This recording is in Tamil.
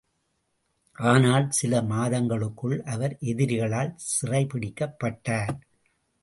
ஆனால், சில மாதங்களுக்குள் அவர் எதிரிகளால் சிறைபிடிக்கப் பட்டார்.